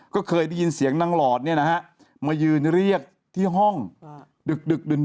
ก็เคยได้ยินเสียงนางหลอดมายืนเรียกที่ห้องดึกดื่น